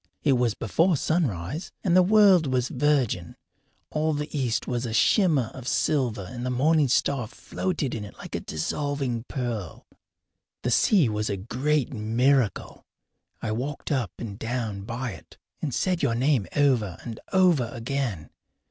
It was before sunrise, and the world was virgin. All the east was a shimmer of silver and the morning star floated in it like a dissolving pearl. The sea was a great miracle. I walked up and down by it and said your name over and over again.